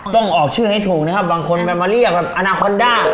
ต้องออกชื่อให้ถูกนะครับบางคนแบบมาเรียกแบบอนาคอนด้า